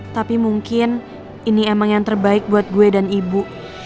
tapi mungkin ini emang yang terbaik buat gue dan ibu